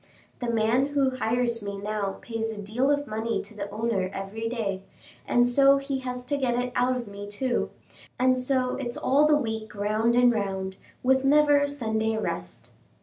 The man who hires me now pays a deal of money to the owner every day, and so he has to get it out of me, too; and so it's all the week round and round, with never a Sunday rest."